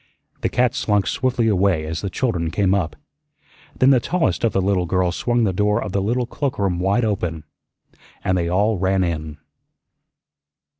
The cat slunk swiftly away as the children came up. Then the tallest of the little girls swung the door of the little cloakroom wide open and they all ran in.